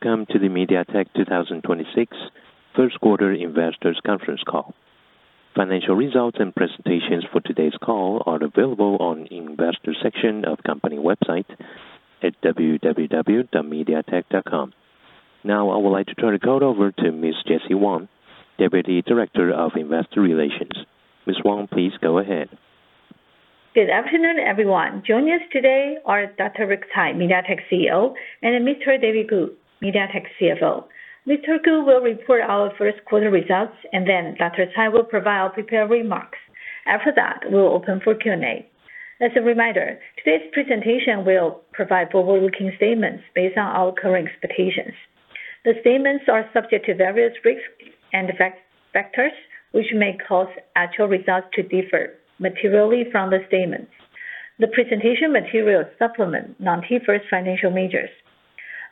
Welcome to the MediaTek 2026 First Quarter Investors Conference Call. Financial results and presentations for today's call are available on Investor section of company website at www.mediatek.com. Now, I would like to turn the call over to Ms. Jessie Wang, Deputy Director of Investor Relations. Ms. Wang, please go ahead. Good afternoon, everyone. Joining us today are Dr. Lih Shyng Tsai, MediaTek CEO, and Mr. David Ku, MediaTek CFO. Mr. Ku will report our first quarter results, and then Dr. Tsai will provide prepared remarks. After that, we'll open for Q&A. As a reminder, today's presentation will provide forward-looking statements based on our current expectations. The statements are subject to various risks and factors which may cause actual results to differ materially from the statements. The presentation materials supplement non-T-IFRS financial measures.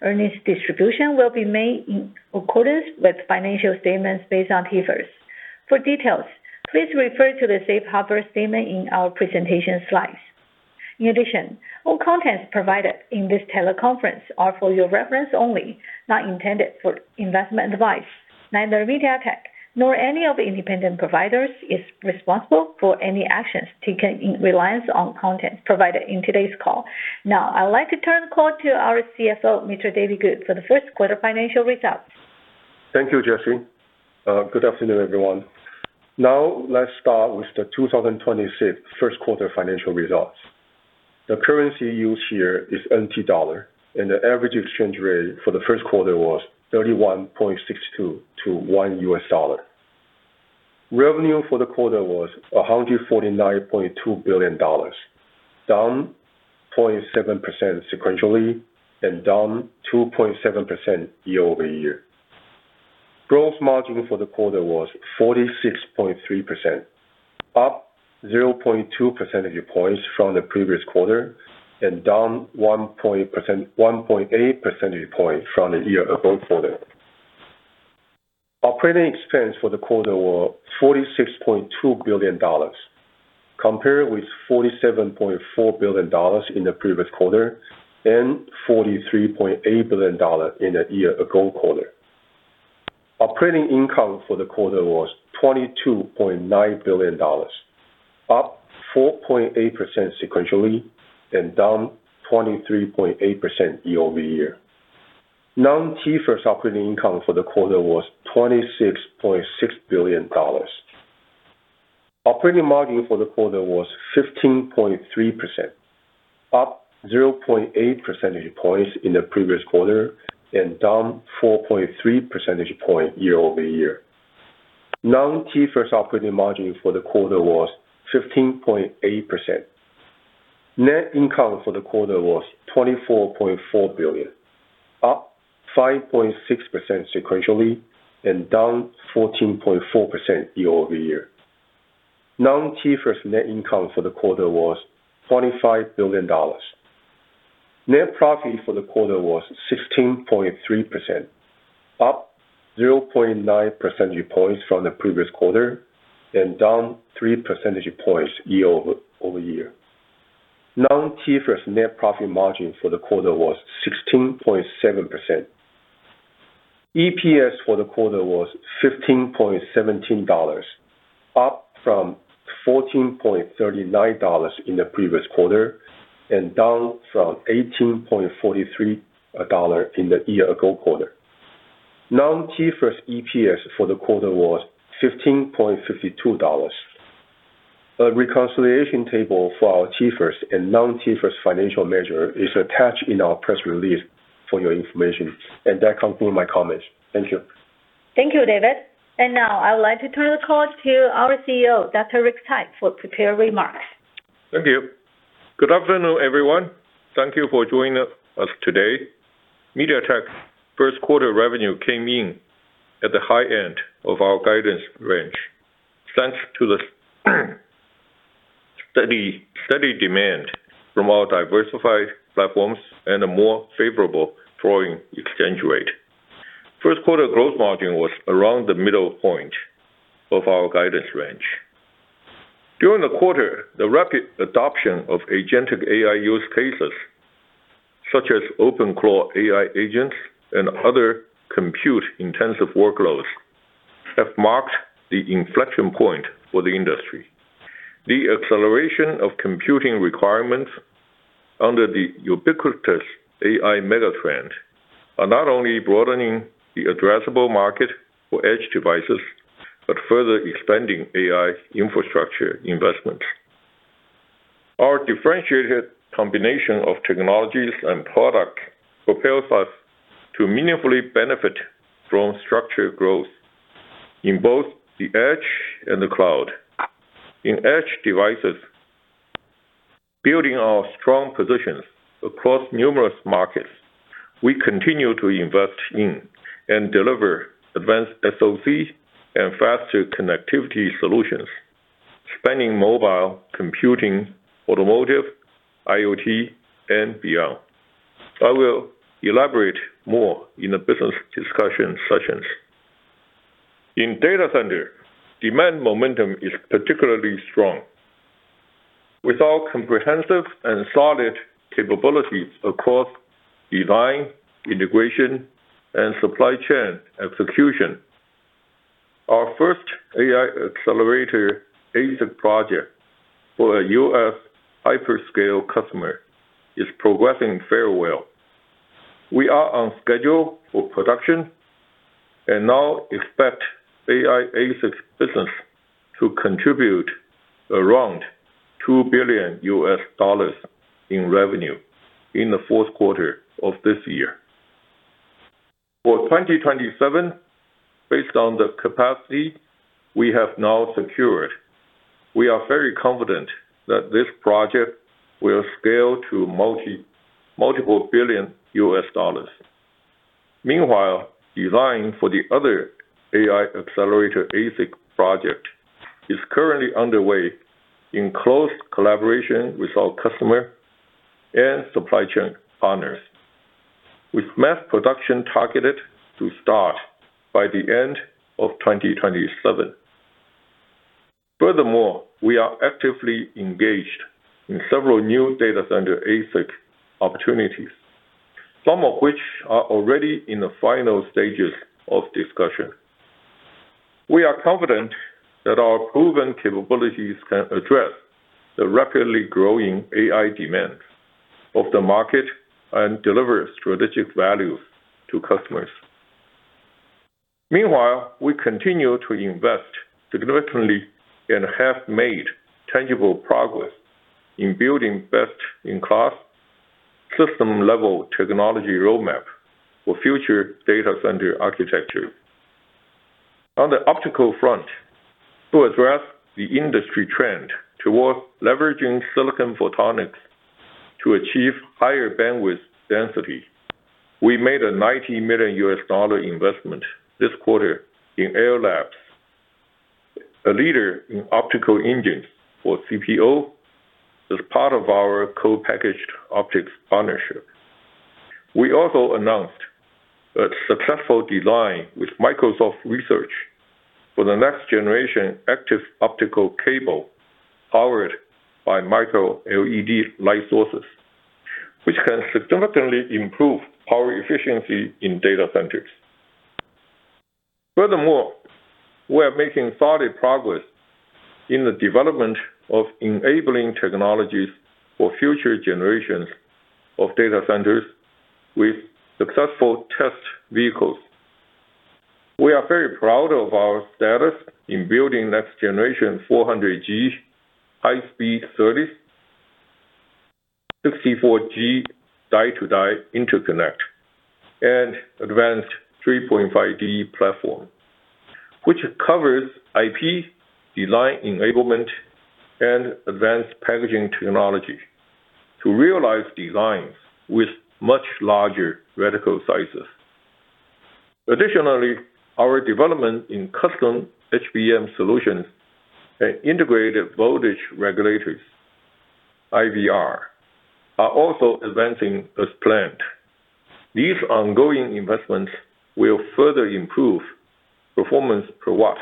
Earnings distribution will be made in accordance with financial statements based on T-IFRS. For details, please refer to the safe harbor statement in our presentation slides. All content provided in this teleconference are for your reference only, not intended for investment advice. Neither MediaTek nor any of independent providers is responsible for any actions taken in reliance on content provided in today's call. I'd like to turn the call to our CFO, Mr. David Ku, for the first quarter financial results. Thank you, Jessie. Good afternoon, everyone. Now let's start with the 2026 first quarter financial results. The currency used here is NT dollar, and the average exchange rate for the first quarter was 31.62 to $1. Revenue for the quarter was 149.2 billion dollars, down 0.7 sequentially and down 2.7% year-over-year. Gross margin for the quarter was 46.3%, up 0.2 percentage points from the previous quarter and down 1.8 percentage point from the year-ago quarter. Operating expense for the quarter were 46.2 billion dollars compared with 47.4 billion dollars in the previous quarter and 43.8 billion dollar in the year-ago quarter. Operating income for the quarter was 22.9 billion dollars, up 4.8% sequentially and down 23.8% year-over-year. Non-T-IFRS operating income for the quarter was 26.6 billion dollars. Operating margin for the quarter was 15.3%, up 0.8 percentage points in the previous quarter and down 4.3 percentage point year-over-year. Non-T-IFRS operating margin for the quarter was 15.8%. Net income for the quarter was TWD 24.4 billion, up 5.6% sequentially and down 14.4% year-over-year. Non-T-IFRS net income for the quarter was 25 billion dollars. Net profit for the quarter was 16.3%, up 0.9 percentage points from the previous quarter and down 3 percentage points year-over-year. Non-T-IFRS net profit margin for the quarter was 16.7%. EPS for the quarter was 15.17 dollars, up from 14.39 dollars in the previous quarter and down from 18.43 dollar in the year-ago quarter. Non-T-IFRS EPS for the quarter was 15.52 dollars. A reconciliation table for our T-IFRS and non-T-IFRS financial measure is attached in our press release for your information. That concludes my comments. Thank you. Thank you, David. Now I would like to turn the call to our CEO, Dr. Lih Shyng Tsai, for prepared remarks. Thank you. Good afternoon, everyone. Thank you for joining us today. MediaTek's first quarter revenue came in at the high end of our guidance range. Thanks to the steady demand from our diversified platforms and a more favorable foreign exchange rate. First quarter growth margin was around the middle point of our guidance range. During the quarter, the rapid adoption of agentic AI use cases such as OpenClaw AI agents and other compute-intensive workloads have marked the inflection point for the industry. The acceleration of computing requirements under the ubiquitous AI mega trend are not only broadening the addressable market for Edge devices, but further expanding AI infrastructure investment. Our differentiated combination of technologies and product propels us to meaningfully benefit from structured growth in both the Edge and the cloud. In Edge devices, building our strong positions across numerous markets, we continue to invest in and deliver advanced SoC and faster connectivity solutions, spanning mobile computing, automotive, IoT, and beyond. I will elaborate more in the business discussion sessions. In data center, demand momentum is particularly strong. With our comprehensive and solid capabilities across design, integration, and supply chain execution, our first AI accelerator ASIC project for a U.S. hyperscale customer is progressing very well. We are on schedule for production and now expect AI ASIC business to contribute around $2 billion in revenue in the fourth quarter of this year. For 2027, based on the capacity we have now secured, we are very confident that this project will scale to multiple billion U.S. dollars. Meanwhile, design for the other AI accelerator ASIC project is currently underway in close collaboration with our customer and supply chain partners, with mass production targeted to start by the end of 2027. Furthermore, we are actively engaged in several new data center ASIC opportunities, some of which are already in the final stages of discussion. We are confident that our proven capabilities can address the rapidly growing AI demand of the market and deliver strategic value to customers. Meanwhile, we continue to invest significantly and have made tangible progress in building best-in-class system-level technology roadmap for future data center architecture. On the optical front, to address the industry trend towards leveraging silicon photonics to achieve higher bandwidth density, we made a $90 million investment this quarter in Ayar Labs, a leader in optical engines for CPO, as part of our co-packaged optics partnership. We also announced a successful design with Microsoft Research for the next generation active optical cable powered by MicroLED light sources, which can significantly improve power efficiency in data centers. Furthermore, we are making solid progress in the development of enabling technologies for future generations of data centers with successful test vehicles. We are very proud of our status in building next-generation 400G high-speed SerDes, 64G die-to-die interconnect, and advanced 3.5D platform, which covers IP design enablement and advanced packaging technology to realize designs with much larger reticle sizes. Additionally, our development in custom HBM solutions and integrated voltage regulators, IVR, are also advancing as planned. These ongoing investments will further improve performance per watt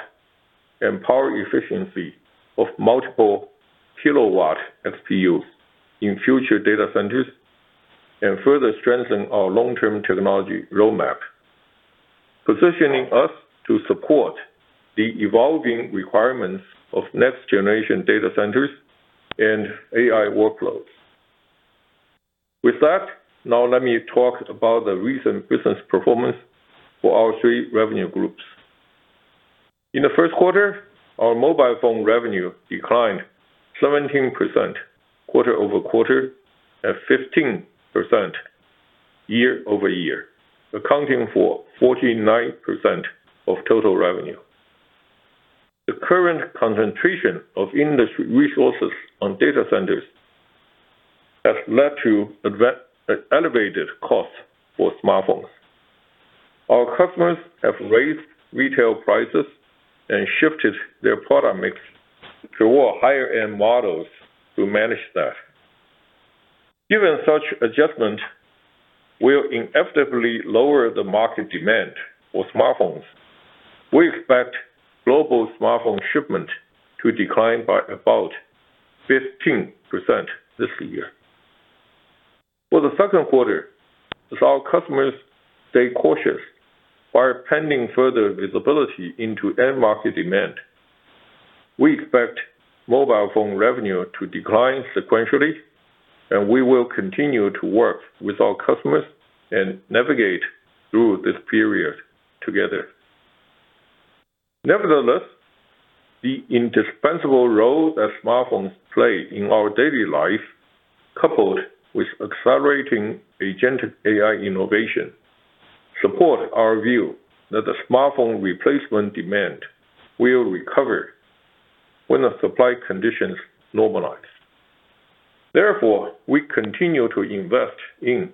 and power efficiency of multiple kilowatt XPU in future data centers and further strengthen our long-term technology roadmap, positioning us to support the evolving requirements of next-generation data centers and AI workloads. With that, now let me talk about the recent business performance for our three revenue groups. In the first quarter, our mobile phone revenue declined 17% quarter-over-quarter and 15% year-over-year, accounting for 49% of total revenue. The current concentration of industry resources on data centers has led to elevated costs for smartphones. Our customers have raised retail prices and shifted their product mix toward higher end models to manage that. Given such adjustment will inevitably lower the market demand for smartphones, we expect global smartphone shipment to decline by about 15% this year. For the second quarter, as our customers stay cautious while pending further visibility into end market demand, we expect mobile phone revenue to decline sequentially, and we will continue to work with our customers and navigate through this period together. Nevertheless, the indispensable role that smartphones play in our daily life, coupled with accelerating agentic AI innovation, support our view that the smartphone replacement demand will recover when the supply conditions normalize. Therefore, we continue to invest in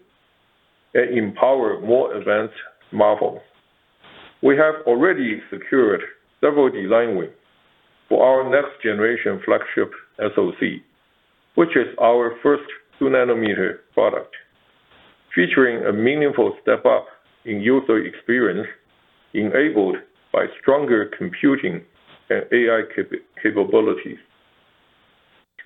and empower more advanced smartphone. We have already secured several design wins for our next generation flagship SoC, which is our first 2nm product, featuring a meaningful step up in user experience enabled by stronger computing and AI capabilities.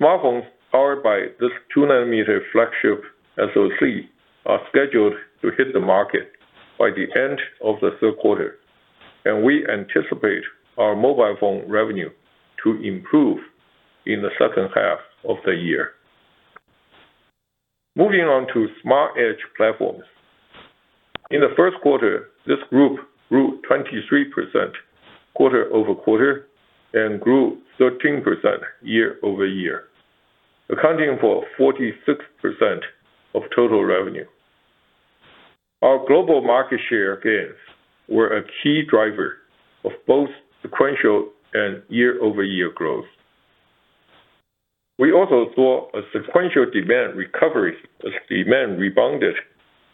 Smartphones powered by this 2nm flagship SoC are scheduled to hit the market by the end of the third quarter, and we anticipate our mobile phone revenue to improve in the second half of the year. Moving on to smart edge platforms. In the first quarter, this group grew 23% quarter-over-quarter and grew 13% year-over-year, accounting for 46% of total revenue. Our global market share gains were a key driver of both sequential and year-over-year growth. We also saw a sequential demand recovery as demand rebounded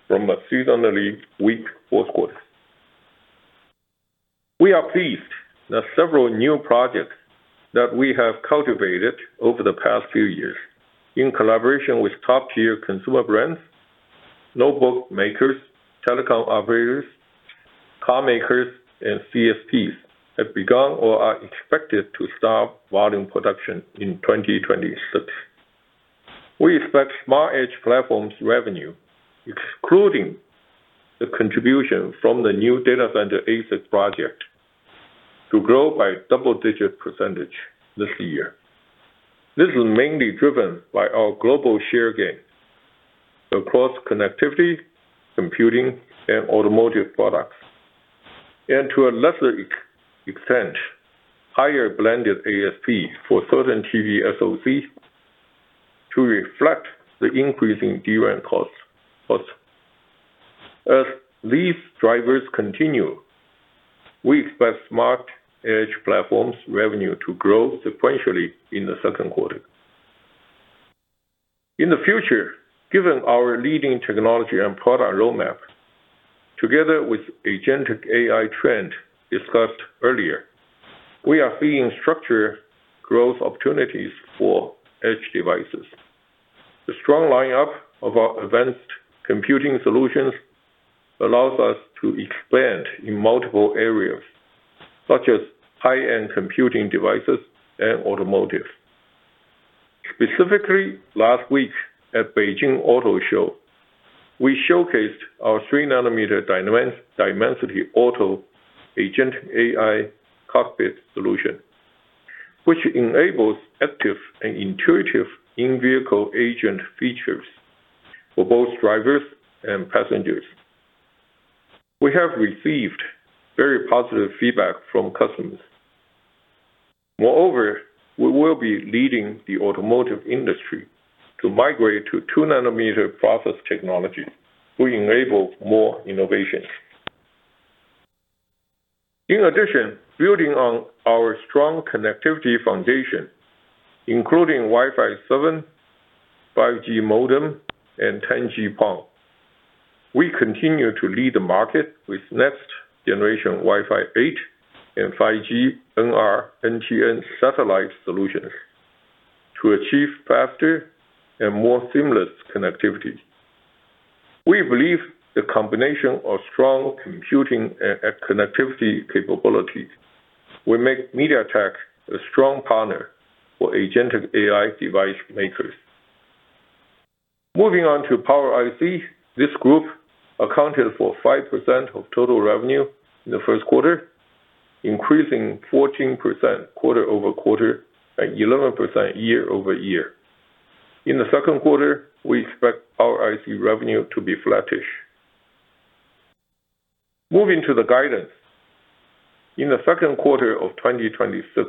from a seasonally weak fourth quarter. We are pleased that several new projects that we have cultivated over the past few years in collaboration with top-tier consumer brands, notebook makers, telecom operators, car makers, and CSPs have begun or are expected to start volume production in 2026. We expect small edge platforms revenue, excluding the contribution from the new data center ASIC project, to grow by double-digit % this year. This is mainly driven by our global share gains across connectivity, computing, and automotive products. To a lesser extent, higher blended ASP for certain TV SoC to reflect the increasing DRAM costs. As these drivers continue, we expect smart edge platforms revenue to grow sequentially in the second quarter. In the future, given our leading technology and product roadmap, together with agentic AI trend discussed earlier, we are seeing structural growth opportunities for edge devices. The strong lineup of our advanced computing solutions allows us to expand in multiple areas such as high-end computing devices and automotive. Specifically, last week at Beijing Auto Show, we showcased our 3nm Dimensity Auto Agent AI cockpit solution, which enables active and intuitive in-vehicle agent features for both drivers and passengers. We have received very positive feedback from customers. Moreover, we will be leading the automotive industry to migrate to 2nm process technology to enable more innovation. Building on our strong connectivity foundation, including Wi-Fi 7, 5G modem, and 10G-PON, we continue to lead the market with next generation Wi-Fi 8 and 5G NR NTN satellite solutions to achieve faster and more seamless connectivity. We believe the combination of strong computing and connectivity capabilities will make MediaTek a strong partner for agentic AI device matrix. Moving on to power IC, this group accounted for 5% of total revenue in the first quarter, increasing 14% quarter-over-quarter and 11% year-over-year. In the second quarter, we expect our IC revenue to be flattish. Moving to the guidance. In the second quarter of 2026,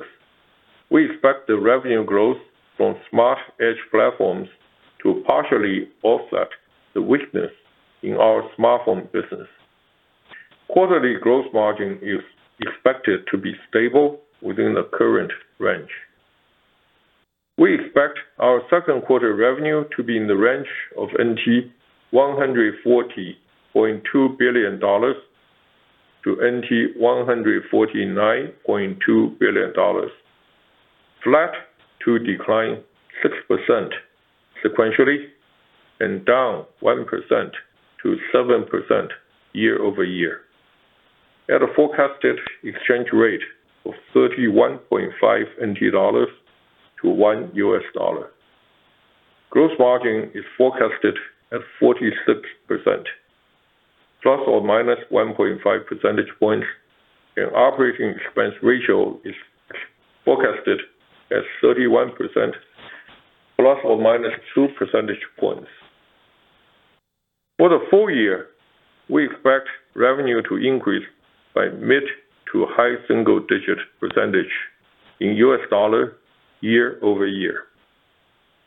we expect the revenue growth from smart edge platforms to partially offset the weakness in our smartphone business. Quarterly growth margin is expected to be stable within the current range. We expect our second quarter revenue to be in the range of 140.2 billion-149.2 billion NT. Flat to decline 6% sequentially and down 1%-7% year-over-year at a forecasted exchange rate of 31.5 NT dollars to $1. Gross margin is forecasted at 46% ± 1.5 percentage points, and OpEx ratio is forecasted at 31% ± 2 percentage points. For the full year, we expect revenue to increase by mid to high single-digit percentage in USD year-over-year.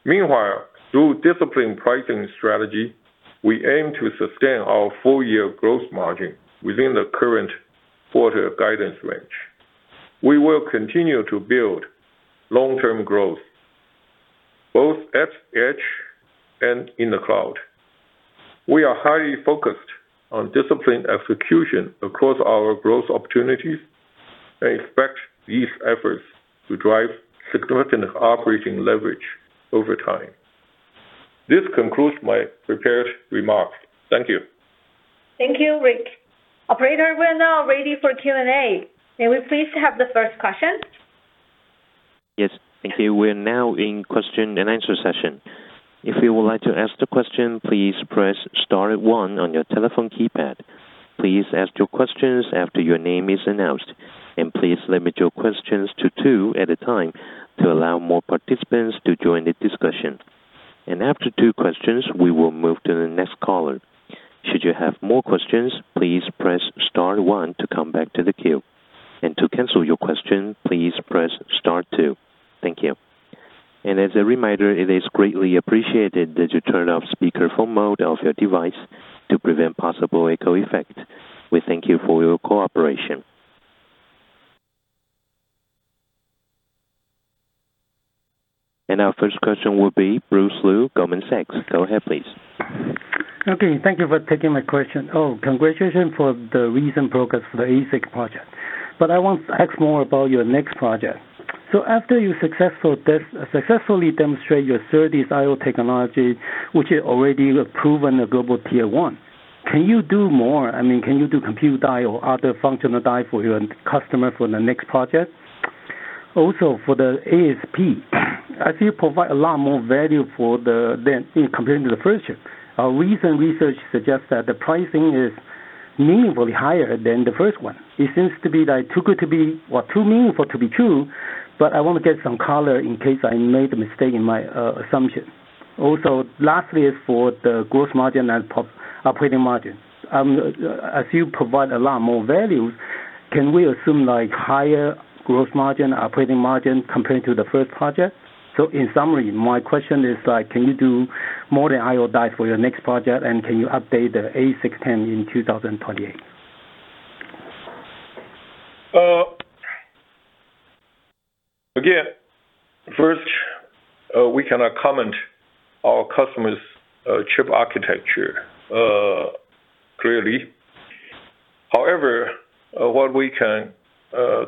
Meanwhile, through disciplined pricing strategy, we aim to sustain our full year gross margin within the current quarter guidance range. We will continue to build long-term growth both at edge and in the cloud. We are highly focused on disciplined execution across our growth opportunities. I expect these efforts to drive significant operating leverage over time. This concludes my prepared remarks. Thank you. Thank you, Rick. Operator, we are now ready for Q&A. May we please have the first question? Yes, thank you. We're now in question and answer session. If you would like to ask the question, please press star one on your telephone keypad. Please ask your questions after your name is announced, please limit your questions to two at a time to allow more participants to join the discussion. After two questions, we will move to the next caller. Should you have more questions, please press star one to come back to the queue. To cancel your question, please press star two. Thank you. As a reminder, it is greatly appreciated that you turn off speakerphone mode of your device to prevent possible echo effect. We thank you for your cooperation. Our first question will be Bruce Lu, Goldman Sachs. Go ahead, please. Thank you for taking my question. Congratulations for the recent progress for the ASIC project. I want to ask more about your next project. After you successfully demonstrate your SerDes I/O technology, which is already proven a global tier one, can you do more? I mean, can you do compute I/O, other functional die for your customer for the next project? For the ASP, as you provide a lot more value than in comparing to the first chip, our recent research suggests that the pricing is meaningfully higher than the first one. It seems to be like too meaningful to be true, I want to get some color in case I made a mistake in my assumption. Lastly, for the gross margin and operating margin. As you provide a lot more value, can we assume like higher gross margin, operating margin compared to the first project? In summary, my question is like, can you do more than I/O die for your next project, and can you update the ASIC TAM in 2028? Again, first, we cannot comment our customer's chip architecture clearly. However, what we can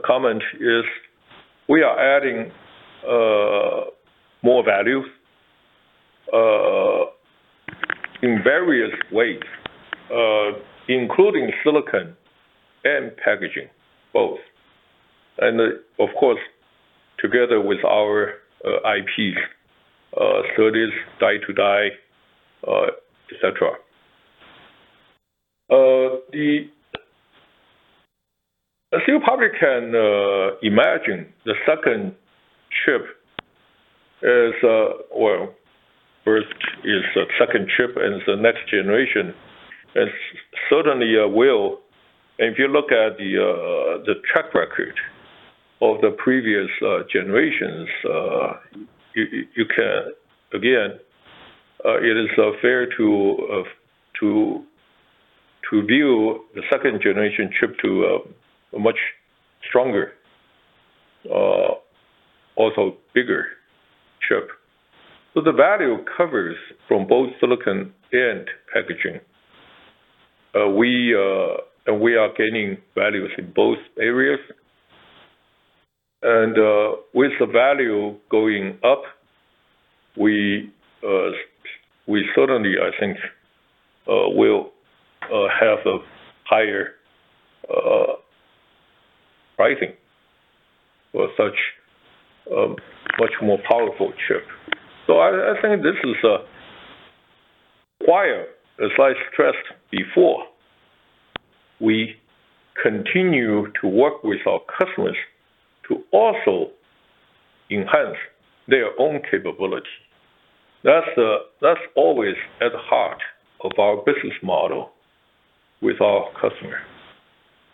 comment is we are adding more value in various ways, including silicon and packaging, both. Of course, together with our IPs, so it is die-to-die, et cetera. As you probably can imagine, the second chip is, well, first is a second chip, and it's the next generation. It certainly will. If you look at the track record of the previous generations, Again, it is fair to view the second generation chip to a much stronger, also bigger chip. The value covers from both silicon and packaging. We, and we are gaining values in both areas. With the value going up, we certainly, I think, will have a higher pricing for such a much more powerful chip. I think this is a require, as I stressed before. We continue to work with our customers to also enhance their own capability. That's, that's always at the heart of our business model with our customer.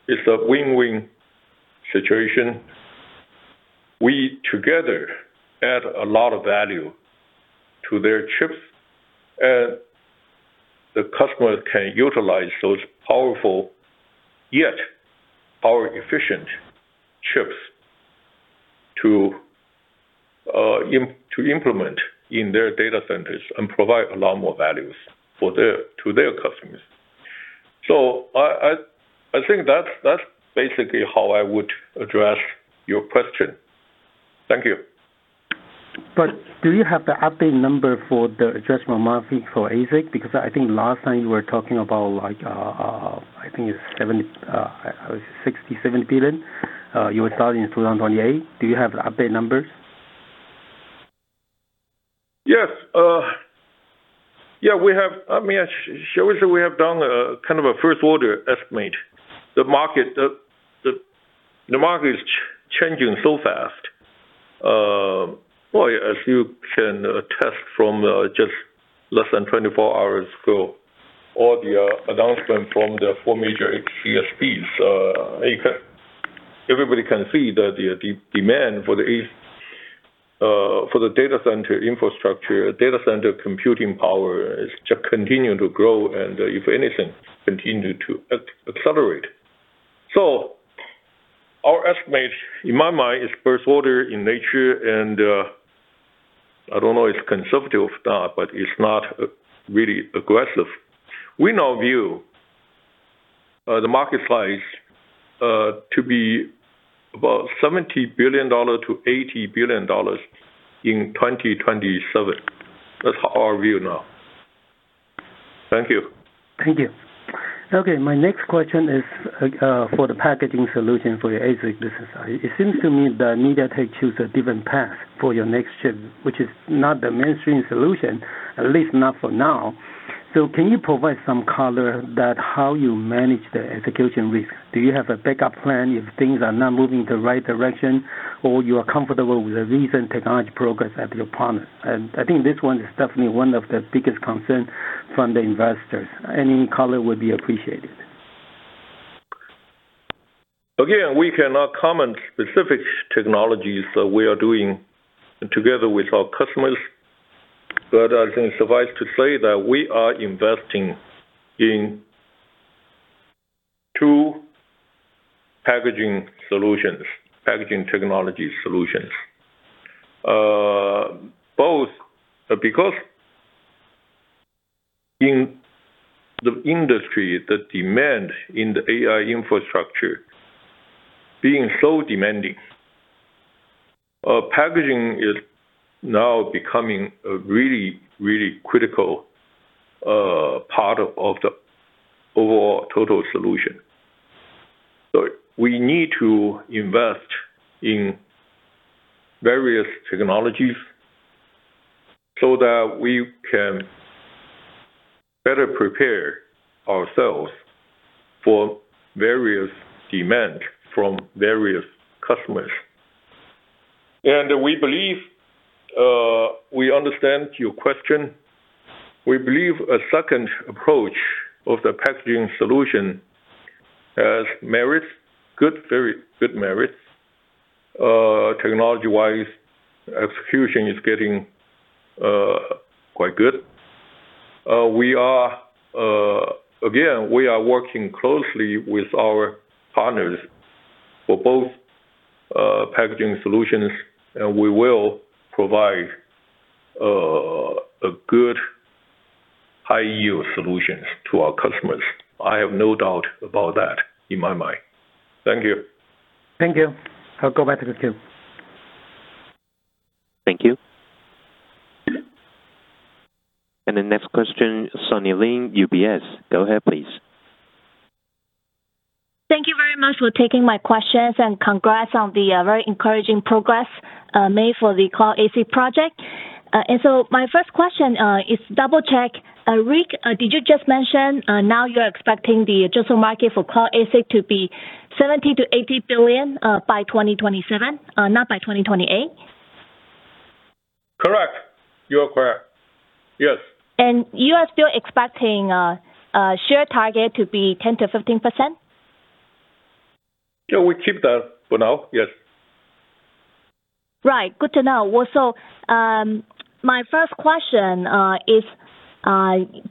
It's a win-win situation. We together add a lot of value to their chips, and the customers can utilize those powerful yet power efficient chips to implement in their data centers and provide a lot more values to their customers. I, I think that's basically how I would address your question. Thank you. Do you have the updated number for the addressable market for ASIC? I think last time you were talking about like, I think it's 70, 60 billion-70 billion, you were starting in 2028. Do you have updated numbers? Yes. I mean, sure, we have done kind of a first-order estimate. The market, the market is changing so fast, well, as you can attest from just less than 24 hours ago or the announcement from the four major CSPs. Everybody can see that the demand for the data center infrastructure, data center computing power is just continuing to grow, and if anything, continue to accelerate. Our estimate, in my mind, is first order in nature and I don't know it's conservative or not, but it's not really aggressive. We now view the market size to be about 70 billion-80 billion dollars in 2027. That's our view now. Thank you. Thank you. Okay, my next question is for the packaging solution for your ASIC business. It seems to me that MediaTek choose a different path for your next chip, which is not the mainstream solution, at least not for now. Can you provide some color that how you manage the execution risk? Do you have a backup plan if things are not moving in the right direction, or you are comfortable with the recent technology progress of your partner? I think this one is definitely one of the biggest concern from the investors. Any color would be appreciated. Again, we cannot comment specific technologies that we are doing together with our customers. I think suffice to say that we are investing in two packaging solutions, packaging technology solutions. Because in the industry, the demand in the AI infrastructure being so demanding, packaging is now becoming a really, really critical part of the overall total solution. We need to invest in various technologies so that we can better prepare ourselves for various demand from various customers. We believe, we understand your question. We believe a second approach of the packaging solution has merits, good merits. Technology-wise, execution is getting quite good. We are, again, we are working closely with our partners for both packaging solutions, and we will provide a good high yield solutions to our customers. I have no doubt about that in my mind. Thank you. Thank you. I'll go back to the queue. Thank you. The next question, Sunny Lin, UBS. Go ahead, please. Thank you very much for taking my questions, and congrats on the very encouraging progress made for the Cloud ASIC project. My first question is, double-check. Rick, did you just mention, now you're expecting the addressable market for Cloud ASIC to be 70 billion-80 billion, by 2027, not by 2028? Correct. You are correct. Yes. You are still expecting, a share target to be 10%-15%? Yeah, we keep that for now. Yes. Right. Good to know. Well, my first question, is,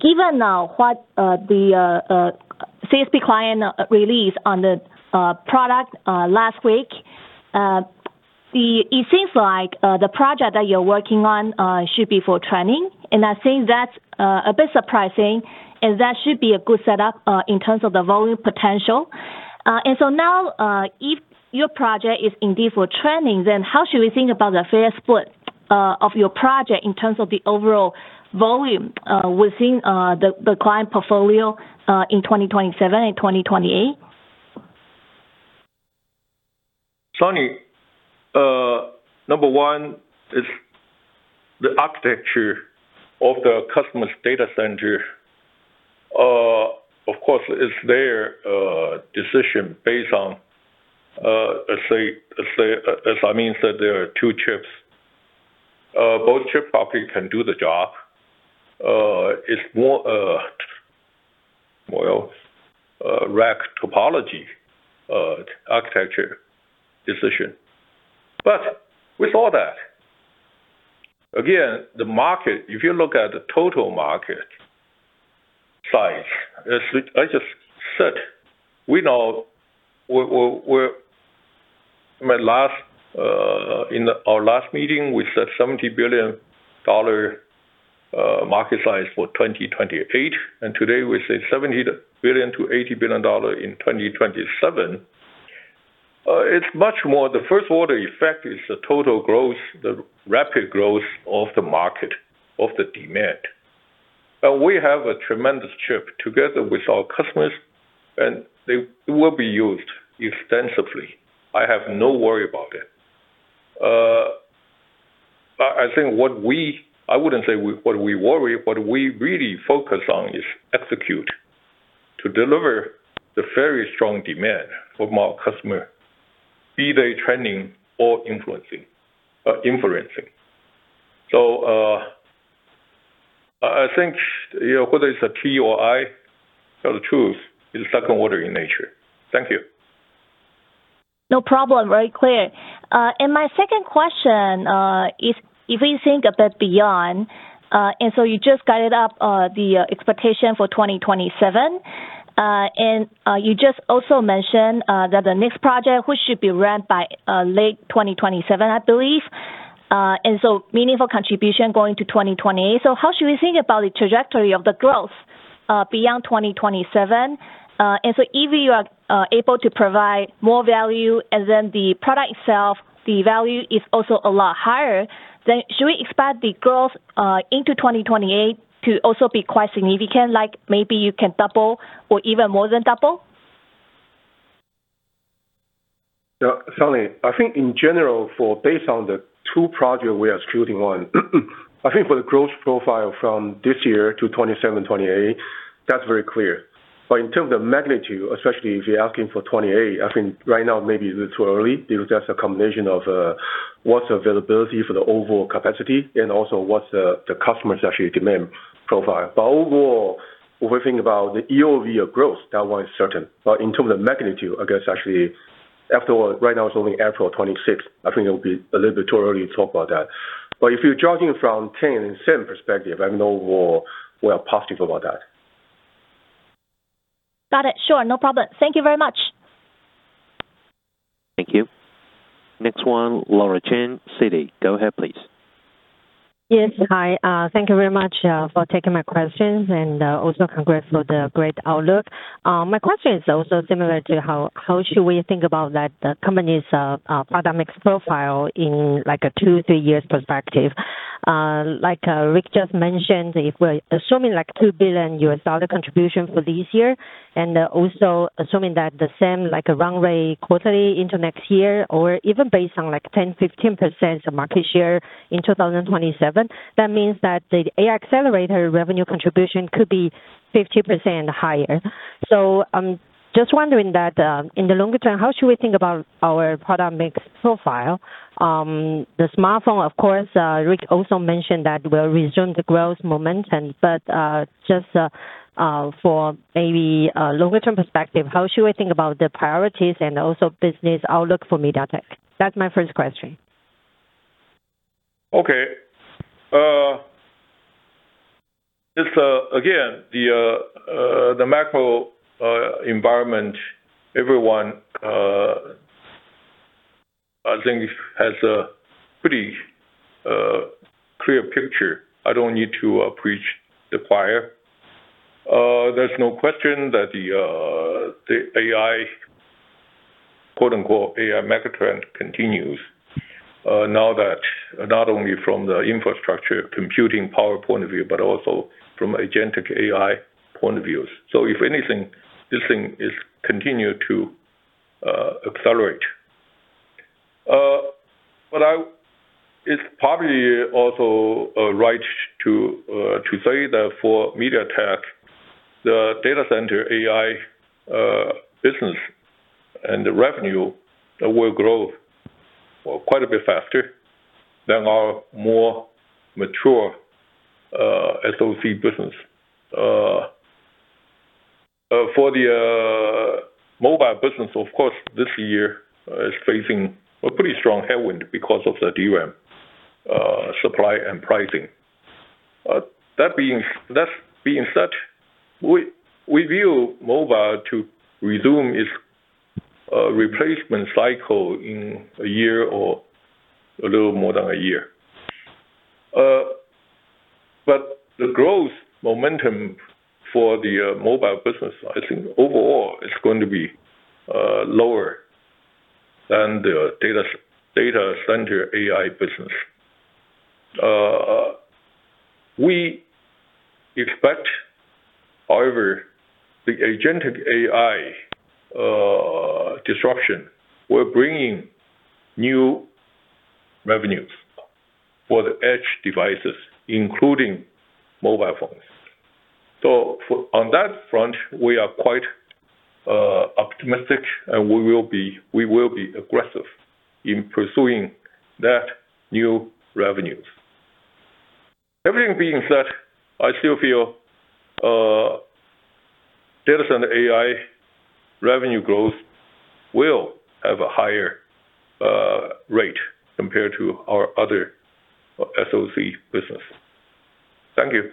given, what, the CSP client released on the product, last week, it seems like, the project that you're working on, should be for training. I think that's a bit surprising, and that should be a good setup, in terms of the volume potential. Now, if your project is indeed for training, then how should we think about the fair split, of your project in terms of the overall volume, within, the client portfolio, in 2027 and 2028? Sunny, number one is the architecture of the customer's data center. Of course, it's their decision based on, let's say, as I mean, said there are two chips. Both chips probably can do the job. It's more, well, rack topology, architecture decision. With all that, again, the market, if you look at the total market size, as I just said, we know we're. My last, in our last meeting, we said 70 billion dollar, market size for 2028, and today we say 70 billion-80 billion dollars in 2027. It's much more. The first order effect is the total growth, the rapid growth of the market, of the demand. We have a tremendous chip together with our customers, and they will be used extensively. I have no worry about it. I think, I wouldn't say what we worry, what we really focus on is execute to deliver the very strong demand from our customer, be they training or influencing, inferencing. I think, you know, whether it's a T or I, tell the truth, is second order in nature. Thank you. No problem. Very clear. My second question, if we think a bit beyond, you just guided up the expectation for 2027. You just also mentioned that the next project, which should be ramped by late 2027, I believe. Meaningful contribution going to 2028. How should we think about the trajectory of the growth beyond 2027? If you are able to provide more value and then the product itself, the value is also a lot higher, then should we expect the growth into 2028 to also be quite significant, like maybe you can double or even more than double? Yeah, Sunny, I think in general for based on the two projects we are executing on, I think for the growth profile from this year to 2027, 2028, that's very clear. In terms of magnitude, especially if you're asking for 2028, I think right now maybe it's too early. It was just a combination of what's availability for the overall capacity and also what's the customer's actually demand profile. Overall, if we think about the year-over-year growth, that one is certain. In terms of magnitude, I guess actually right now it's only April 26th. I think it would be a little bit too early to talk about that. If you're judging from trend and certain perspective, I'm overall, we are positive about that. Got it. Sure. No problem. Thank you very much. Thank you. Next one, Laura Chen, Citi. Go ahead, please. Yes. Hi. Thank you very much for taking my questions and also congrats for the great outlook. My question is also similar to how should we think about the company's product mix profile in like a two, three years perspective? Like Rick just mentioned, if we're assuming like $2 billion contribution for this year, and also assuming that the same like run rate quarterly into next year or even based on like 10%, 15% market share in 2027, that means that the AI accelerator revenue contribution could be 50% higher. I'm just wondering, in the longer term, how should we think about our product mix profile? The smartphone, of course, Rick also mentioned that we're resuming the growth momentum, but just for maybe a longer term perspective, how should we think about the priorities and also business outlook for MediaTek? That's my first question. This again, the macro environment, everyone, I think has a pretty clear picture. I don't need to preach the fire. There's no question that the AI, quote-unquote, AI megatrend continues, now that not only from the infrastructure computing power point of view, but also from agentic AI point of view. If anything, this thing is continued to accelerate. It's probably also right to say that for MediaTek, the data center AI business and the revenue will grow quite a bit faster than our more mature SoC business. For the mobile business, of course, this year is facing a pretty strong headwind because of the DRAM supply and pricing. That being said, we view mobile to resume its replacement cycle in one year or a little more than one year. The growth momentum for the mobile business, I think overall is going to be lower than the data center AI business. We expect, however, the agentic AI disruption, we're bringing new revenues for the edge devices, including mobile phones. On that front, we are quite optimistic, and we will be aggressive in pursuing that new revenues. Everything being said, I still feel data center AI revenue growth will have a higher rate compared to our other SoC business. Thank you.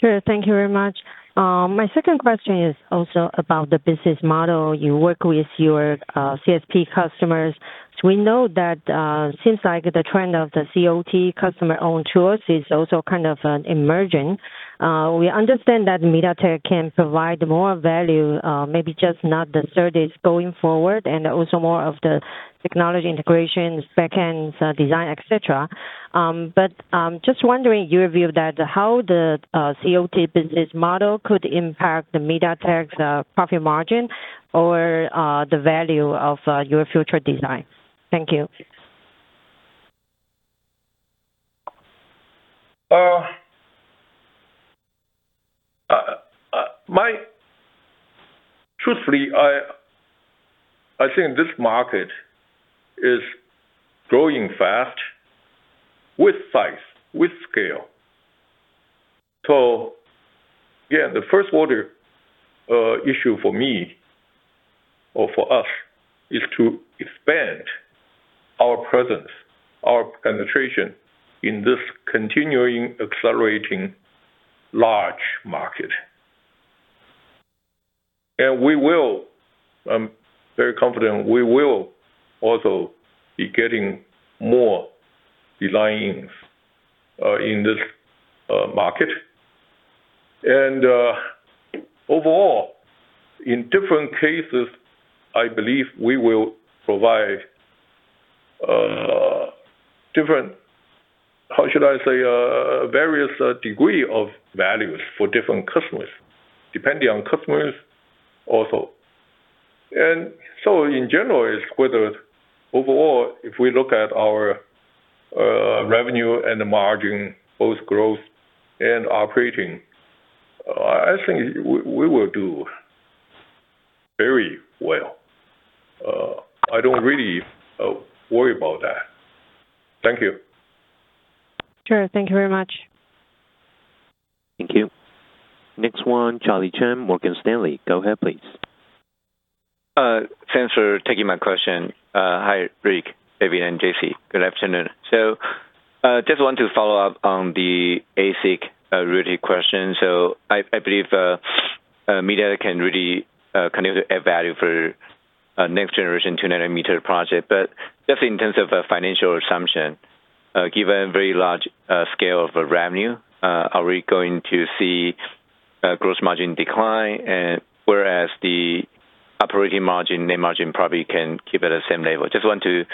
Sure. Thank you very much. My second question is also about the business model. You work with your CSP customers. We know that seems like the trend of the COT, Customer-Owned Tooling, is also kind of emerging. We understand that MediaTek can provide more value, maybe just not the services going forward, and also more of the technology integrations, backends, design, etc. Just wondering your view that how the COT business model could impact the MediaTek's profit margin or the value of your future design. Thank you. Truthfully, I think this market is growing fast with size, with scale. Yeah, the first order issue for me or for us is to presence or penetration in this continuing accelerating large market. We will, I'm very confident we will also be getting more designs in this market. Overall, in different cases, I believe we will provide different, how should I say, various degree of values for different customers, depending on customers also. In general is whether overall, if we look at our revenue and the margin, both growth and operating, I think we will do very well. I don't really worry about that. Thank you. Sure. Thank you very much. Thank you. Next one, Charlie Chan, Morgan Stanley. Go ahead, please. Thanks for taking my question. Hi, Lih Shyng Tsai, David Ku, and Jessie Wang. Good afternoon. Just want to follow up on the ASIC related question. I believe MediaTek can really add value for next generation 2nm project. Just in terms of financial assumption, given very large scale of revenue, are we going to see gross margin decline, and whereas the operating margin, net margin probably can keep at the same level? Just want to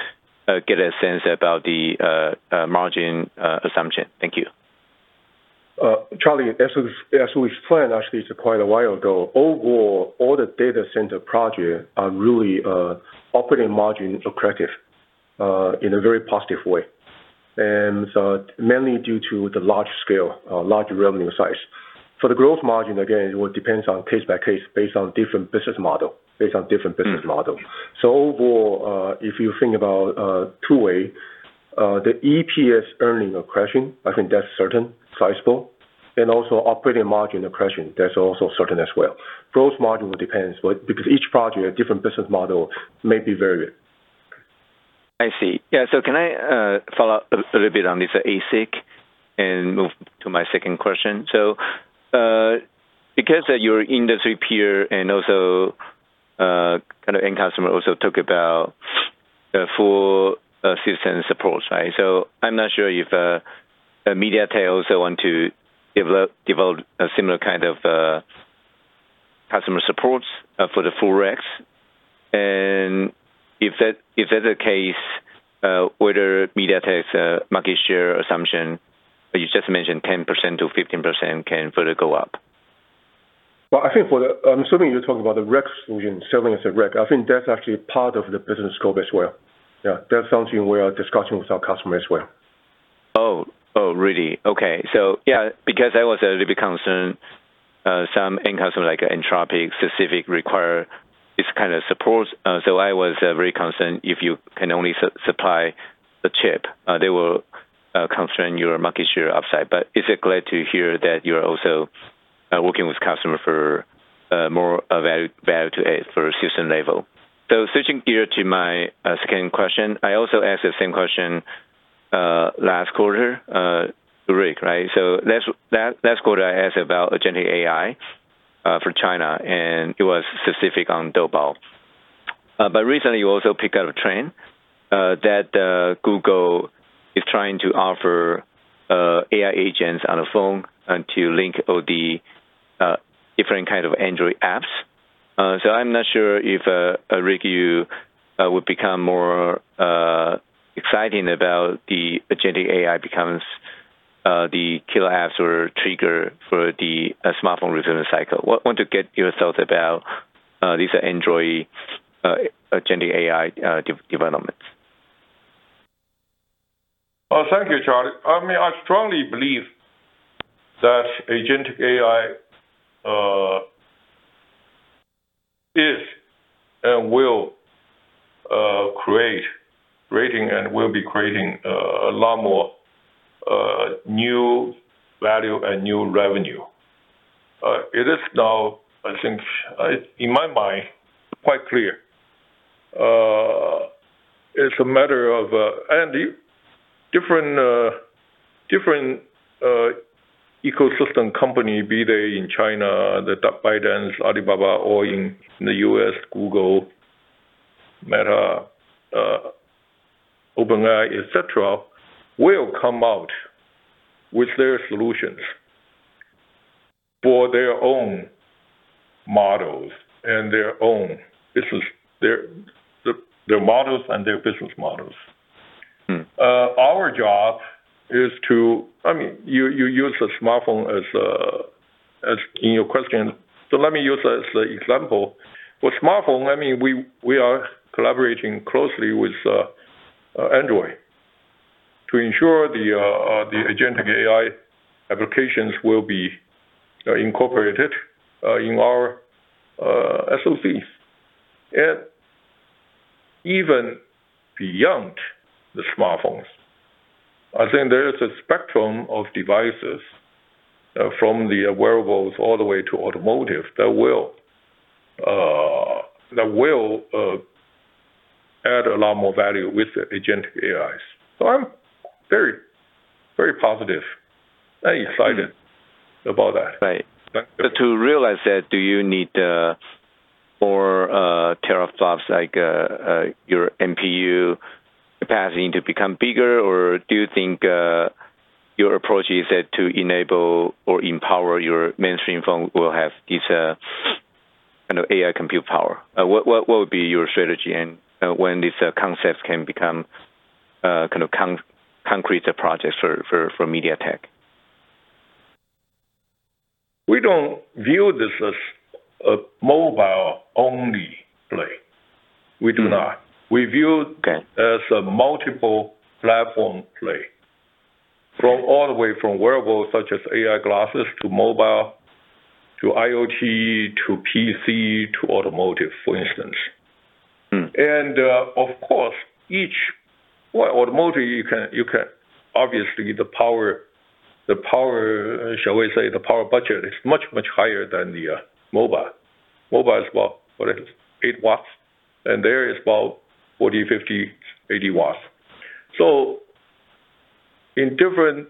get a sense about the margin assumption. Thank you. Charlie, as we, as we planned actually quite a while ago, overall, all the data center project are really operating margin accretive in a very positive way. Mainly due to the large scale, large revenue size. For the gross margin, again, it will depends on case by case based on different business model. Overall, if you think about two-way, the EPS earnings accretion, I think that's certain, sizable. Operating margin accretion, that's also certain as well. Gross margin will depends, but because each project a different business model may be varied. I see. Yeah. Can I follow up a little bit on this ASIC and move to my second question? Because your industry peer and also kind of end customer also talk about full system support, right? I'm not sure if MediaTek also want to develop a similar kind of customer support for the full racks. If that, if that's the case, whether MediaTek's market share assumption, you just mentioned 10%-15% can further go up. Well, I think I'm assuming you're talking about the rack solution, selling as a rack. I think that's actually part of the business scope as well. Yeah, that's something we are discussing with our customer as well. Really? Okay. Yeah, because I was a little bit concerned, some end customer like Anthropic specific require this kind of support. I was very concerned if you can only supply the chip, they will constrain your market share upside. It is glad to hear that you are also working with customer for more value to it for system level. Switching gear to my second question. I also asked the same question last quarter, Rick, right? Last quarter I asked about agentic AI for China, and it was specific on Doubao. Recently you also picked up a trend that Google is trying to offer AI agents on a phone and to link all the different kind of Android apps. I'm not sure if Rick, you would become more exciting about the agentic AI becomes the killer apps or trigger for the smartphone reserve cycle. Want to get your thoughts about these Android agentic AI developments? Oh, thank you, Charlie. I mean, I strongly believe that agentic AI is and will be creating a lot more new value and new revenue. It is now, I think, in my mind, quite clear. It's a matter of different ecosystem company, be they in China, the Baidu, Alibaba, or in the U.S., Google, Meta, OpenAI, et cetera, will come out with their solutions for their own models and their own business models. Mm. Our job is to I mean, you use the smartphone as in your question. Let me use as the example. With smartphone, I mean, we are collaborating closely with Android to ensure the agentic AI applications will be incorporated in our SoC. Even beyond the smartphones. I think there is a spectrum of devices from the wearables all the way to automotive that will add a lot more value with the agentic AI. I'm very, very positive and excited about that. Right. Yeah. To realize that, do you need more teraflops, like your MPU capacity to become bigger? Do you think your approach is that to enable or empower your mainstream phone will have this, you know, AI compute power? What would be your strategy and when these concepts can become kind of concrete projects for MediaTek? We don't view this as a mobile-only play. We do not. Okay. We view as a multiple platform play. From all the way from wearables such as AI glasses to mobile, to IoT, to PC, to automotive, for instance. Mm. Of course, each. Well, automotive, you can, you can obviously the power, the power, shall we say, the power budget is much, much higher than the mobile. Mobile is what? What it is? eight watts, and there is about 40, 50, 80 watts. In different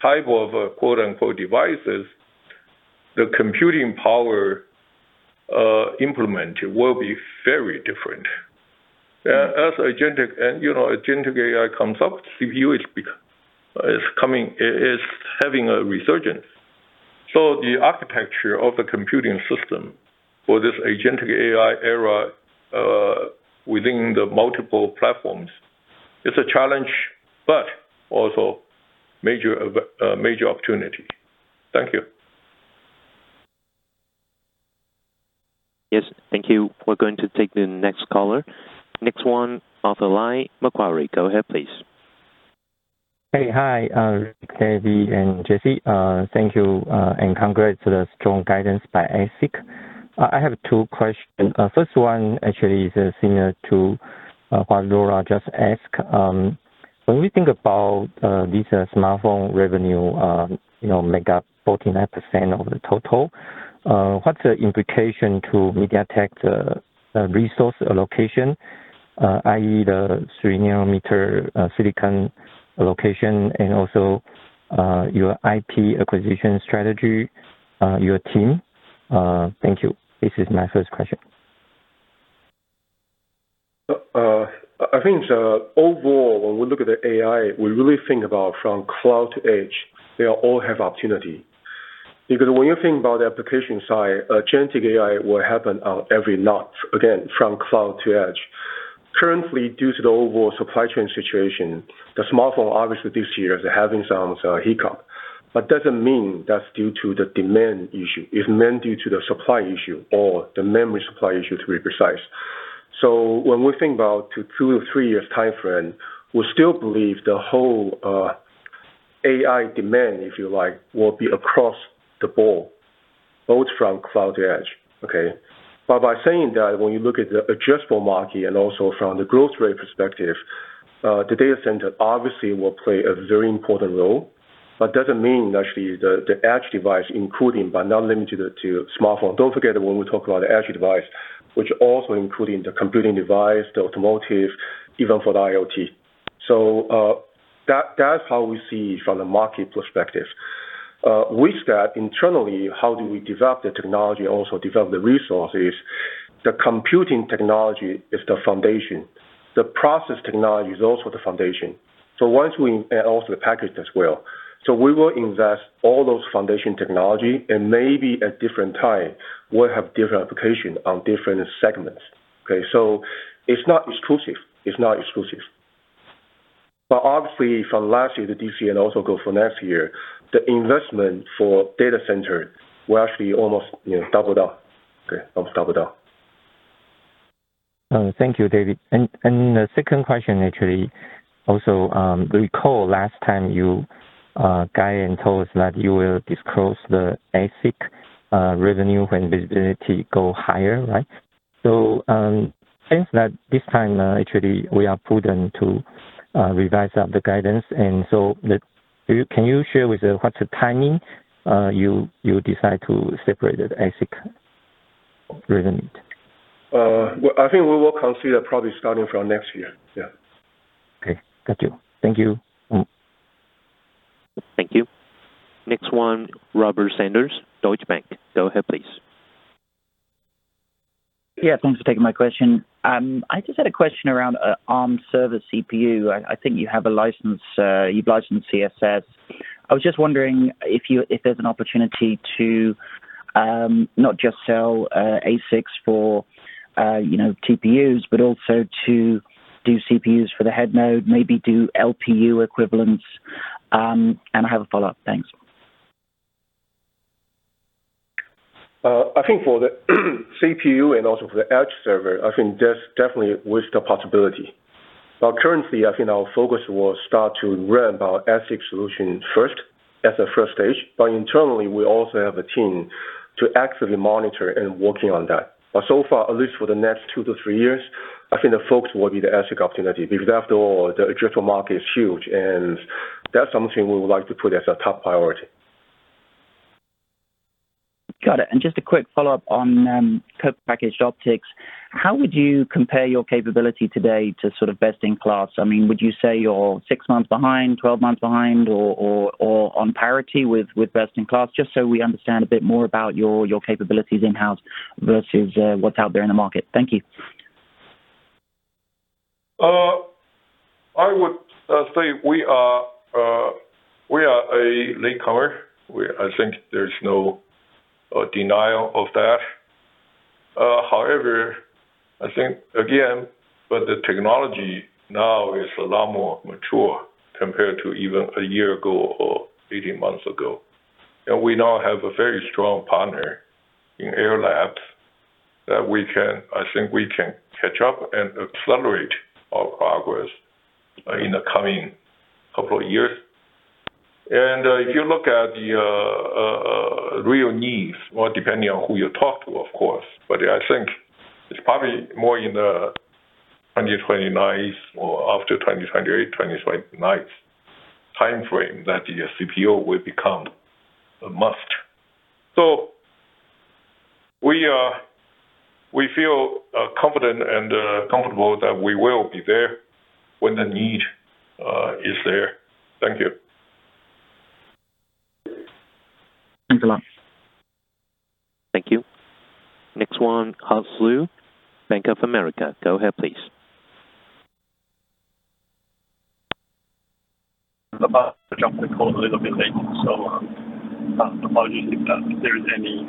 type of, quote-unquote, devices, the computing power implemented will be very different. As agentic, and, you know, agentic AI comes up, CPU is having a resurgence. The architecture of the computing system for this agentic AI era, within the multiple platforms is a challenge, but also major of major opportunity. Thank you. Yes, thank you. We're going to take the next caller. Next one, Arthur Lai, Macquarie. Go ahead, please. Hey, hi, David and Jessie. Thank you and congrats to the strong guidance by ASIC. I have two questions. First one actually is similar to what Laura just asked. When we think about this smartphone revenue, you know, make up 49% of the total, what's the implication to MediaTek's resource allocation, i.e., the 3nm silicon allocation and also your IP acquisition strategy, your team? Thank you. This is my first question. I think overall, when we look at the AI, we really think about from cloud to edge, they all have opportunity. When you think about the application side, agentic AI will happen on every node, again, from cloud to edge. Currently, due to the overall supply chain situation, the smartphone obviously this year is having some hiccup. It doesn't mean that's due to the demand issue, it meant due to the supply issue or the memory supply issue, to be precise. When we think about two-three years timeframe, we still believe the whole AI demand, if you like, will be across the board, both from cloud to edge. By saying that, when you look at the addressable market and also from the growth rate perspective, the data center obviously will play a very important role, but doesn't mean actually the edge device, including but not limited to smartphone. Don't forget when we talk about the edge device, which also including the computing device, the automotive, even for the IoT. That's how we see from the market perspective. With that, internally, how do we develop the technology, also develop the resources? The computing technology is the foundation. The process technology is also the foundation. Also the package as well. We will invest all those foundation technology and maybe at different time will have different application on different segments. Okay? It's not exclusive. It's not exclusive. Obviously, from last year, the DC, and also go for next year, the investment for data center will actually almost, you know, doubled up. Okay? Almost doubled up. Thank you, David. And the second question, actually, also, recall last time you guided and told us that you will disclose the ASIC revenue when visibility go higher, right? Since that this time, actually we are prudent to revise up the guidance. Can you share with what's the timing you decide to separate the ASIC revenue? Well, I think we will consider probably starting from next year. Yeah. Okay. Got you. Thank you. Mm. Thank you. Next one, Robert Sanders, Deutsche Bank. Go ahead, please. Yeah, thanks for taking my question. I just had a question around Arm server CPU. I think you have a license, you've licensed CSS. I was just wondering if there's an opportunity to not just sell ASICs for, you know, TPUs, but also to do CPUs for the head node, maybe do LPU equivalents. I have a follow-up. Thanks. I think for the CPU and also for the edge server, I think there's definitely with the possibility. Currently, I think our focus will start to ramp our ASIC solution first as a first stage. Internally, we also have a team to actively monitor and working on that. So far, at least for the next two to three years, I think the focus will be the ASIC opportunity. After all, the addressable market is huge, and that's something we would like to put as a top priority. Got it. Just a quick follow-up on packaged optics. How would you compare your capability today to sort of best in class? I mean, would you say you're six months behind, 12 months behind or on parity with best in class? Just so we understand a bit more about your capabilities in-house versus what's out there in the market. Thank you. I would say we are a late comer. I think there's no denial of that. However, I think again, the technology now is a lot more mature compared to even a year ago or 18 months ago. We now have a very strong partner in Ayar Labs that we can, I think we can catch up and accelerate our progress in the coming couple of years. If you look at the real needs, well, depending on who you talk to, of course, I think it's probably more in the 2029s or after 2028, 2029s timeframe that the CPO will become a must. We feel confident and comfortable that we will be there when the need is there. Thank you. Thanks a lot. Thank you. Next one, Bruce Lu, Bank of America. Go ahead, please. About to join the call a little bit late, so apologies if there's any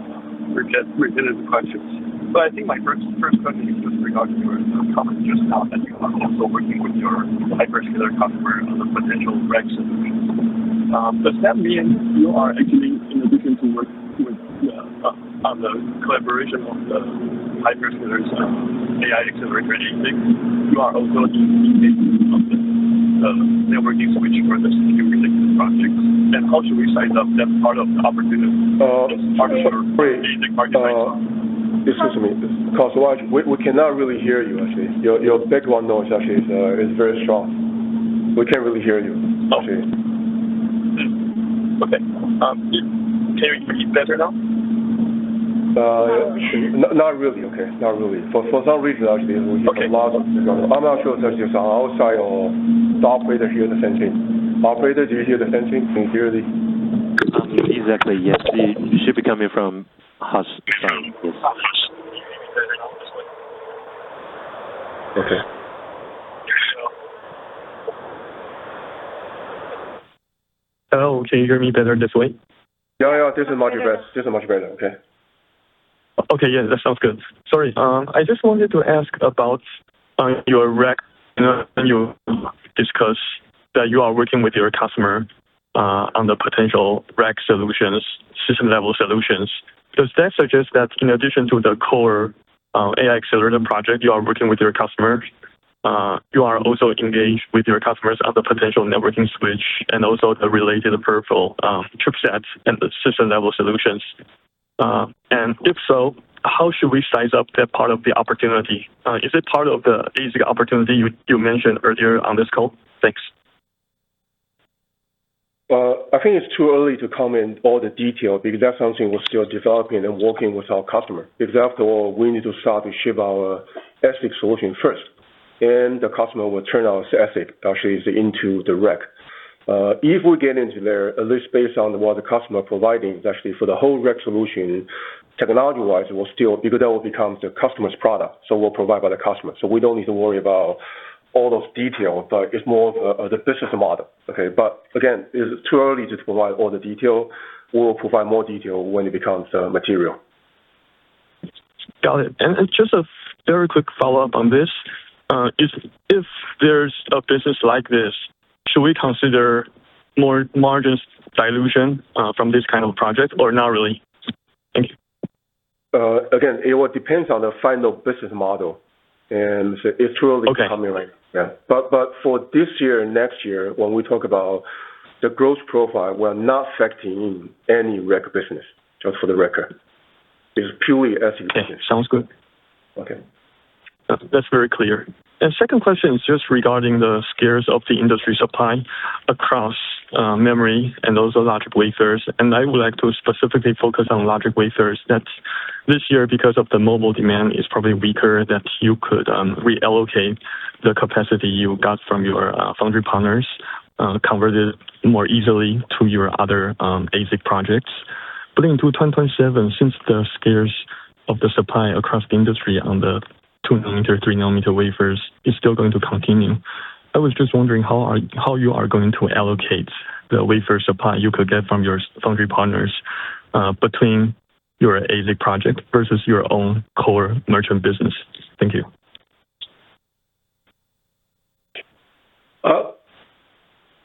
repeat, repetitive questions. I think my first question is just regarding your comment just now that you are also working with your hyperscaler customer on the potential rec solutions. Does that mean you are actually in addition to work-with on the collaboration of the hyperscalers AI accelerator and ASICs, you are also looking into something networking switch for this related projects? How should we size up that part of the opportunity as part of our- Sorry. Excuse me. Bruce Lu, we cannot really hear you actually. Your background noise actually is very strong. We can't really hear you actually. Okay. Can you hear me better now? Not really, okay. Not really. For some reason, actually, we hear a lot of background. I'm not sure actually if I'm outside or the operator hear the same thing. Operator, do you hear the same thing? Can you hear me? Exactly, yes. It should be coming from Bruce Lu's side. Okay. Hello, can you hear me better this way? Yeah, yeah. This is much better. This is much better. Okay. That sounds good. Sorry. I just wanted to ask about your AI ASIC, you know, when you discuss that you are working with your customer on the potential AI ASIC solutions, system level solutions. Does that suggest that in addition to the core AI accelerator project you are working with your customer, you are also engaged with your customers on the potential networking switch and also the related peripheral chipsets and the system level solutions? If so, how should we size up that part of the opportunity? Is it part of the ASIC opportunity you mentioned earlier on this call? Thanks. I think it's too early to comment all the detail because that's something we're still developing and working with our customer. After all, we need to start to ship our ASIC solution first, and the customer will turn our ASIC actually into the rack. If we get into there, at least based on what the customer providing, actually for the whole rack solution, technology-wise, that will become the customer's product, so will provide by the customer. We don't need to worry about all those details. It's more of the business model. Okay. Again, it's too early to provide all the detail. We'll provide more detail when it becomes material. Got it. Just a very quick follow-up on this. If there's a business like this, should we consider more margins dilution from this kind of project or not really? Thank you. Again, it would depends on the final business model, and it's too early. Okay. To comment. Yeah. For this year and next year, when we talk about the growth profile, we're not factoring in any rec business, just for the record. It's purely ASIC. Okay. Sounds good. Okay. That's very clear. Second question is just regarding the scarce of the industry supply across memory and also logic wafers. I would like to specifically focus on logic wafers, that this year, because of the mobile demand is probably weaker, that you could reallocate the capacity you got from your foundry partners, convert it more easily to your other ASIC projects. Into 2027, since the scarce of the supply across the industry on the 2nm, 3nm wafers is still going to continue. I was just wondering how you are going to allocate the wafer supply you could get from your foundry partners, between your ASIC project versus your own core merchant business. Thank you.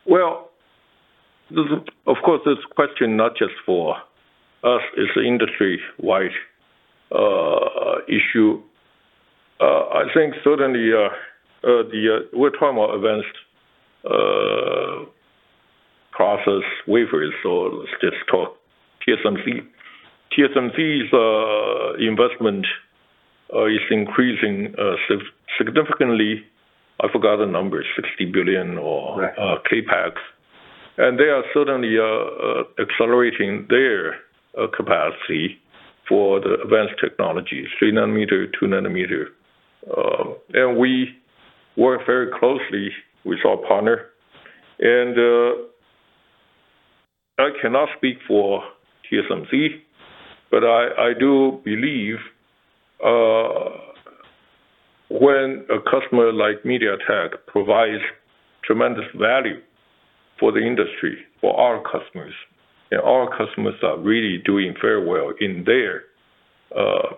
Well, of course, this question not just for us, it's industry-wide issue. I think certainly, we're trying our events, Process wafers. Let's just talk TSMC. TSMC's investment is increasing significantly. I forgot the numbers, 60 billion. Right CapEx. They are certainly accelerating their capacity for the advanced technology, 3nm, 2nm. We work very closely with our partner. I cannot speak for TSMC, but I do believe when a customer like MediaTek provides tremendous value for the industry, for our customers, and our customers are really doing very well in their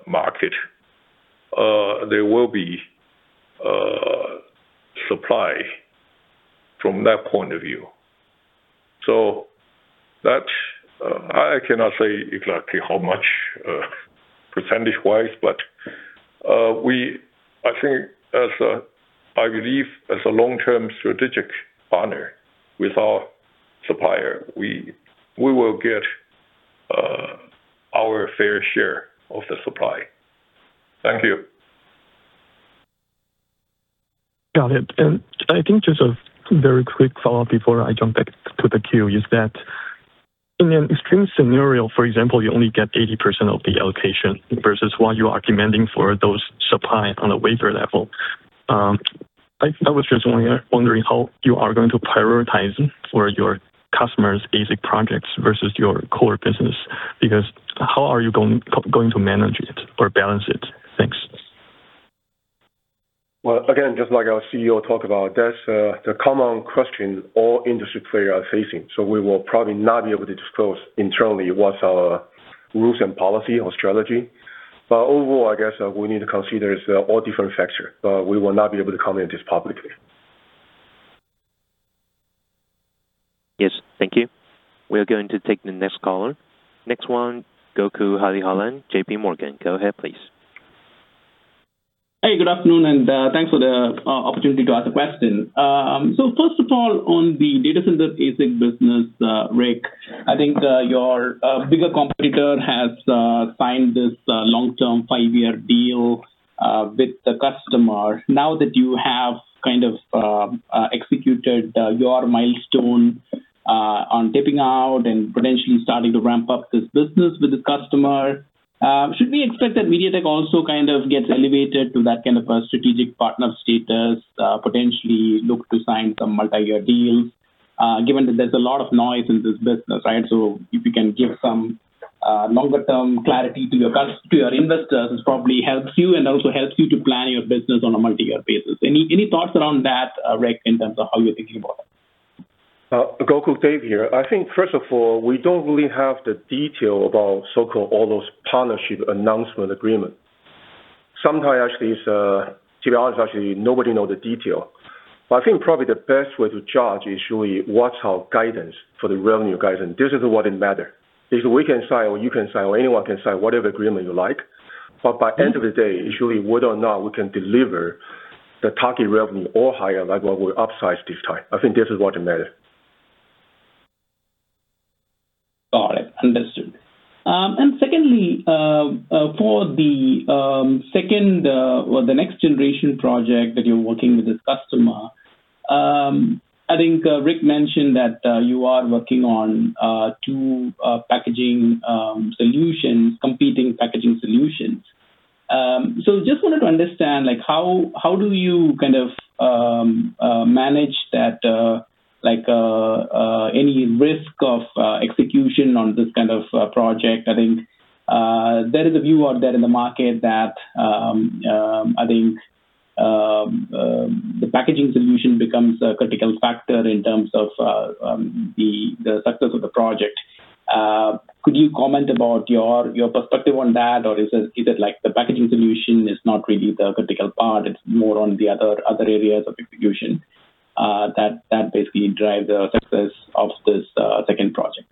market, there will be supply from that point of view. That's, I cannot say exactly how much percentage-wise, but I believe as a long-term strategic partner with our supplier, we will get our fair share of the supply. Thank you. Got it. I think just a very quick follow-up before I jump back to the queue is that in an extreme scenario, for example, you only get 80% of the allocation versus what you are demanding for those supply on a wafer level. I was just wondering how you are going to prioritize for your customers ASIC projects versus your core business. How are you going to manage it or balance it? Thanks. Well, again, just like our CEO talked about, that's, the common question all industry players are facing. We will probably not be able to disclose internally what's our rules and policy or strategy. Overall, I guess, we need to consider is, all different factor. We will not be able to comment this publicly. Yes, thank you. We are going to take the next caller. Next one, Gokul Hariharan, JPMorgan. Go ahead, please. Hey, good afternoon, thanks for the opportunity to ask a question. First of all, on the data center ASIC business, Rick, I think your bigger competitor has signed this long-term five-year deal with the customer. Now that you have kind of executed your milestone on tipping out and potentially starting to ramp up this business with the customer, should we expect that MediaTek also kind of gets elevated to that kind of a strategic partner status, potentially look to sign some multi-year deals, given that there's a lot of noise in this business, right? If you can give some longer term clarity to your investors, this probably helps you and also helps you to plan your business on a multi-year basis. Any thoughts around that, Rick, in terms of how you're thinking about it? Gokul, David here. I think, first of all, we don't really have the detail about so-called all those partnership announcement agreement. Sometimes actually it's, to be honest, actually, nobody know the detail. I think probably the best way to judge is really what's our guidance for the revenue guidance. This is what it matter. If we can sign or you can sign or anyone can sign whatever agreement you like, but by end of the day, it's really whether or not we can deliver the target revenue or higher, like what we upsized this time. I think this is what matter. Got it. Understood. Secondly, for the second or the next generation project that you're working with this customer, I think Rick mentioned that you are working on two packaging solutions, competing packaging solutions. Just wanted to understand like how do you kind of manage that, like any risk of execution on this kind of project? I think there is a view out there in the market that I think the packaging solution becomes a critical factor in terms of the success of the project. Could you comment about your perspective on that, or is it like the packaging solution is not really the critical part, it's more on the other areas of execution that basically drive the success of this second project?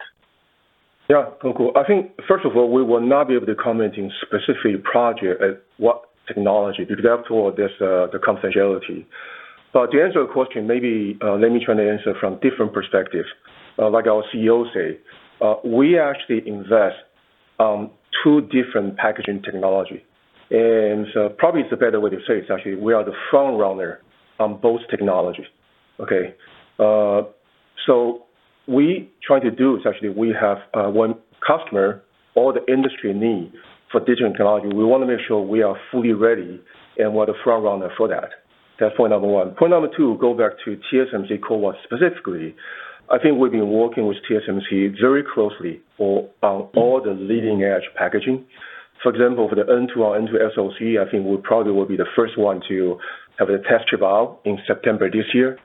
Yeah, Gokul. I think, first of all, we will not be able to comment in specific project at what technology due to the fact of this, the confidentiality. To answer your question, maybe, let me try to answer from different perspective. Like our CEO say, we actually invest on two different packaging technology. Probably it's a better way to say it's actually we are the front runner on both technologies. Okay? We try to do is actually we have, one customer or the industry need for digital technology. We wanna make sure we are fully ready and we're the front runner for that. That's point number one. Point number two, go back to TSMC CoWoS specifically. I think we've been working with TSMC very closely on all the leading-edge packaging. For example, for the N2 or N2 SoC, I think we probably will be the first one to have a test chip out in September this year.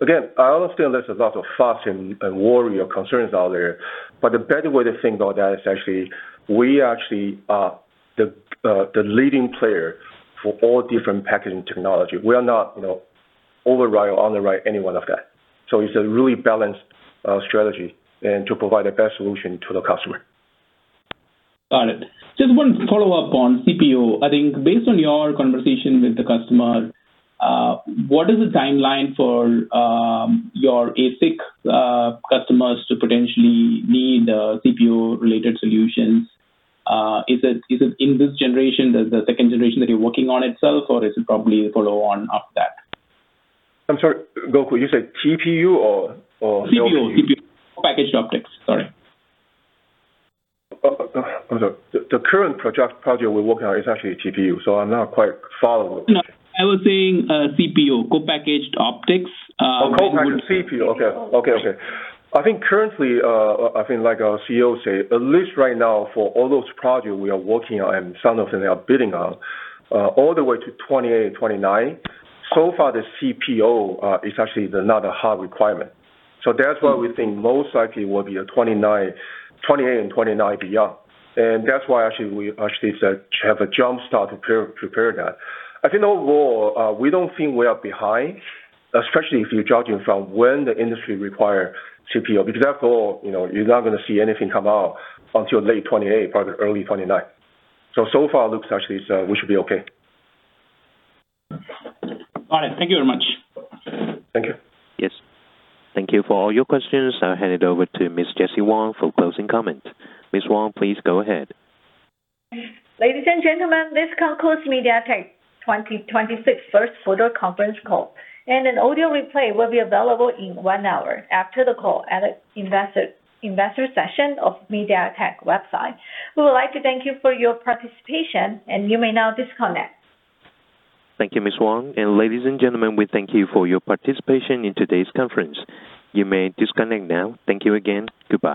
Again, I understand there's a lot of fuss and worry or concerns out there, but the better way to think about that is actually we actually are the leading player for all different packaging technology. We are not, you know, override or underwrite any one of that. It's a really balanced strategy and to provide the best solution to the customer. Got it. Just one follow up on CPO. I think based on your conversation with the customer, what is the timeline for your ASIC customers to potentially need CPO related solutions? Is it in this generation, the second generation that you're working on itself, or is it probably the follow on after that? I'm sorry, Gokul, you said TPU or CPO? CPO. Packaged optics, sorry. Oh, okay. The current project we're working on is actually a TPU, I'm not quite following. No, I was saying, CPO, co-packaged optics. Co-packaged CPO. Okay. Okay, okay. I think currently, I think like our CEO said, at least right now for all those projects we are working on and some of them we are bidding on, all the way to 2028, 2029, so far the CPO is actually not a hard requirement. That's why we think most likely will be a 2028 and 2029 beyond. That's why actually we actually said to have a jumpstart to pre-prepare that. I think overall, we don't think we are behind, especially if you're judging from when the industry require CPO, because therefore, you know, you're not gonna see anything come out until late 2028, probably early 2029. So far looks actually, so we should be okay. All right. Thank you very much. Thank you. Yes. Thank you for all your questions. I'll hand it over to Miss Jessie Wang for closing comments. Miss Wang, please go ahead. Ladies and gentlemen, this concludes MediaTek 2026 first quarter conference call. An audio replay will be available in one hour after the call at investor session of MediaTek website. We would like to thank you for your participation, and you may now disconnect. Thank you, Miss Wang. Ladies and gentlemen, we thank you for your participation in today's conference. You may disconnect now. Thank you again. Goodbye.